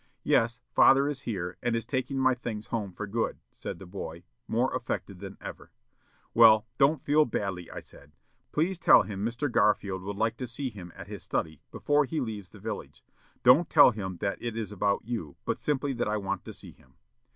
"'Yes; father is here, and is taking my things home for good,' said the boy, more affected than ever. "'Well, don't feel badly,' I said. 'Please tell him Mr. Garfield would like to see him at his study, before he leaves the village. Don't tell him that it is about you, but simply that I want to see him.'